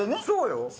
そうよ。